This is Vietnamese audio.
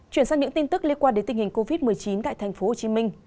chuyển sang những tin tức liên quan đến tình hình covid một mươi chín tại tp hcm